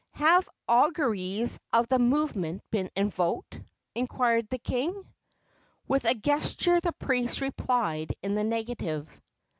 "Have auguries of the movement been invoked?" inquired the king. With a gesture the priest replied in the negative.